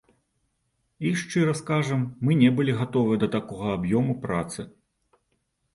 І, шчыра скажам, мы не былі гатовыя да такога аб'ёму працы.